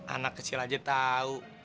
anak kecil aja tahu